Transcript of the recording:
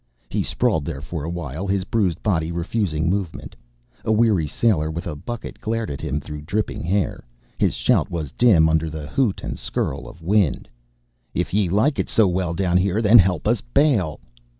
He sprawled there for a while, his bruised body refusing movement. A weary sailor with a bucket glared at him through dripping hair. His shout was dim under the hoot and skirl of wind: "If ye like it so well down here, then help us bail!"